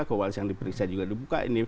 kewalus yang diperiksa juga dibuka